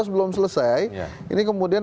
belum selesai ini kemudian